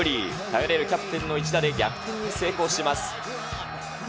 頼れるキャプテンの一打で、逆転に成功します。